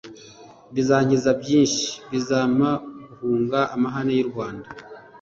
Bizankiza byinshiBizampa guhungaAmahane y’i Rwanda,